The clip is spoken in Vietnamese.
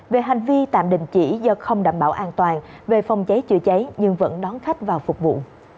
về hành vi tạm đình chỉ do không đảm bảo an toàn về phòng cháy chữa cháy nhưng vẫn đón khách vào phục vụ